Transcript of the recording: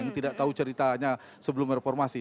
ini tidak tahu ceritanya sebelum reformasi